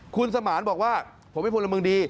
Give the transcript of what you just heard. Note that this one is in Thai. คุณสมารบอกว่าผมไม่พูดละมึงดี